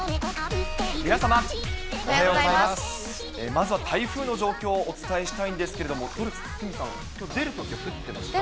まずは台風の状況をお伝えしたいんですけれども、鷲見さん、きょう、出るときは降ってました？